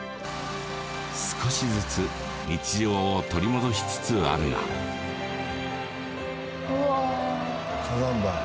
少しずつ日常を取り戻しつつあるがうわー